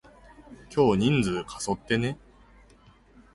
今日人数過疎ってね？